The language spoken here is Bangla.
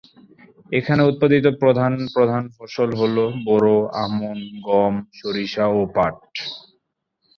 এখানে উৎপাদিত প্রধান প্রধান ফসল হল বোরো, আমন, গম, সরিষা ও পাট।